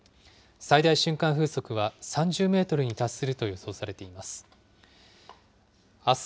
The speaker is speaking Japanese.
最大瞬間風速は３０メートルに達すると予想されています。